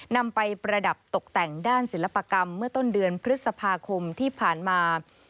นำไปประดับตกแต่งด้านศิลปกรรมเมื่อต้นเดือนพฤษภาคมที่ผ่านมา